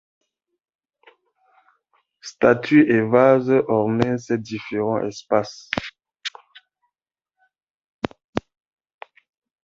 Statues et vases ornaient ces différents espaces.